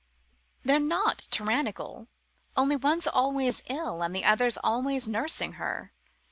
"They're not tyrannical only one's always ill and the other's always nursing her.